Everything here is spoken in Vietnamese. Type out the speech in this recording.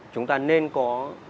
chúng ta nên có